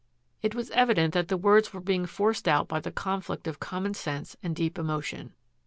It was evident that the words were being forced out by the conflict of common sense and deep emotion.